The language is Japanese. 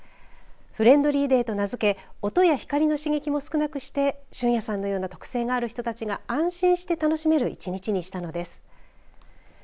フレンドリーデーと名付け音や光の刺激も少なくして旬弥さんのような特性がある人たちが安心して楽しめる１日にしたのです。